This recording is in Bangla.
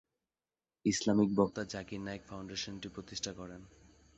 ইসলামিক বক্তা জাকির নায়েক ফাউন্ডেশনটি প্রতিষ্ঠা করেন।